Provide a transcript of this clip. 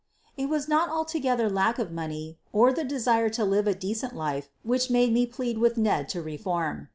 It was not altogether lack of money or the desire to live a decent life which made me plead with Ned to reform.